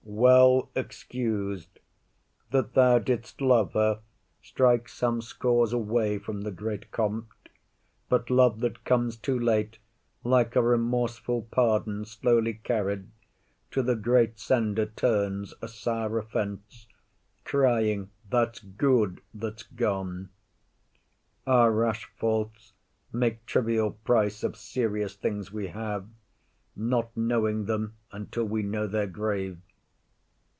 Well excus'd: That thou didst love her, strikes some scores away From the great compt: but love that comes too late, Like a remorseful pardon slowly carried, To the great sender turns a sour offence, Crying, That's good that's gone. Our rash faults Make trivial price of serious things we have, Not knowing them until we know their grave.